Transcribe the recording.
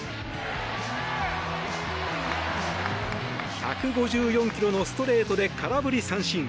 １５４キロのストレートで空振り三振。